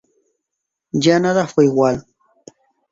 Ya nada fue igual.